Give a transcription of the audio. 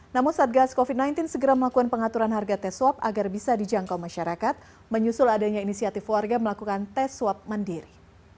namun satgas covid sembilan belas segera melakukan pengaturan harga tes swab agar bisa dijangkau masyarakat menyusul adanya inisiatif warga melakukan tes swab mandiri